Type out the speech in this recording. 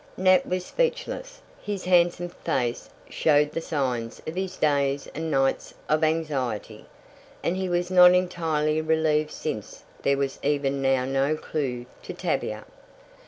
Nat was speechless. His handsome face showed the signs of his days and nights of anxiety, and he was not entirely relieved since there was even now no clew to Tavia.